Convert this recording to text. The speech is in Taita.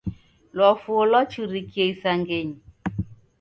Lwafuo lwachurikie isangenyi.